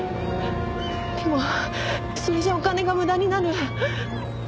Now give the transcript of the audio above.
でもそれじゃお金が無駄になる。